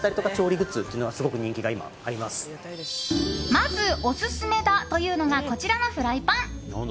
まずオススメだというのがこちらのフライパン。